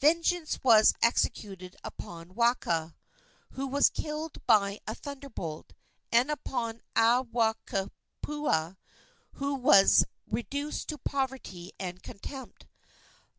Vengeance was executed upon Waka, who was killed by a thunderbolt, and upon Aiwohikupua, who was reduced to poverty and contempt.